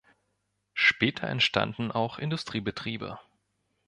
Später entstanden auch Industriebetriebe.